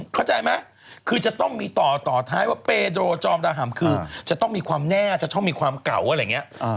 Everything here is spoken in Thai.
เข้าใจไหมคือจะต้องมีต่อต่อท้ายว่าเปโดจอมระห่ำคือจะต้องมีความแน่จะต้องมีความเก่าอะไรอย่างนี้